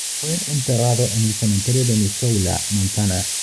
Fue enterrado en el Cementerio de Missoula, Montana.